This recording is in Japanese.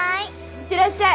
行ってらっしゃい！